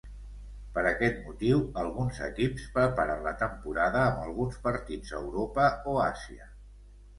Per aquest motiu, alguns equips preparen la temporada amb alguns partits a Europa o Àsia.